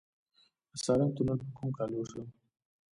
د سالنګ تونل په کوم کال جوړ شو؟